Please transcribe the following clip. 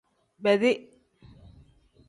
Bedi.